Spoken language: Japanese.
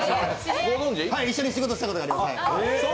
一緒に仕事したことあります。